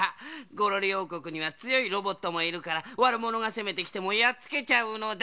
ゴロリおうこくにはつよいロボットもいるからわるものがせめてきてもやっつけちゃうのだ。